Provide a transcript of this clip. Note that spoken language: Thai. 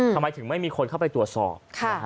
ทำไมถึงไม่มีคนเข้าไปตรวจสอบ